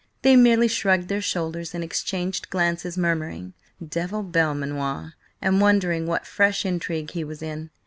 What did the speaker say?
They merely shrugged their shoulders, and exchanged glances, murmuring: "Devil Belmanoir!" and wondering what fresh intrigue he was in.